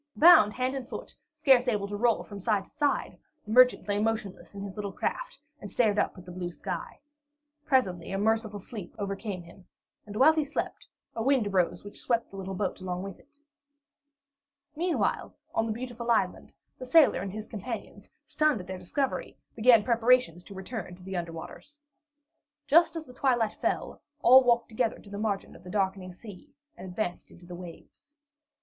Bound hand and foot, scarce able to roll from side to side, the merchant lay motionless in his little craft and stared up at the blue sky. Presently a merciful sleep overcame him, and while he slept, a wind arose which swept the little boat along with it. Meanwhile, on the beautiful island, the sailor and his companions, stunned at their discovery, began preparations to return to the under waters. Just as the twilight fell, all walked together to the margin of the darkening sea, and advanced into the waves.